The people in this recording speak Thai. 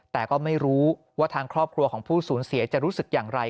แต่ก็ไม่รู้ว่าทางครอบครัวของผู้สูญเสียจะรู้สึกอย่างไร